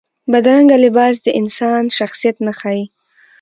بدرنګه لباس د انسان شخصیت نه ښيي